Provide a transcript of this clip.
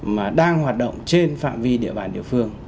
mà đang hoạt động trên phạm vi địa bàn địa phương